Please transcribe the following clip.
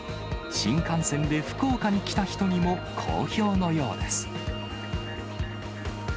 新感線で福岡に来た人にも好評のようです。